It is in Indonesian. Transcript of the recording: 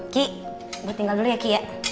ki gue tinggal dulu ya ki ya